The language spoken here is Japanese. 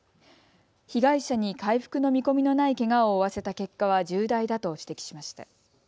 被害者に回復の見込みのないけがを負わせた結果は重大だと指摘しました。